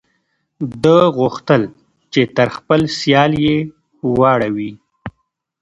ده غوښتل چې تر خپل سیال یې واړوي.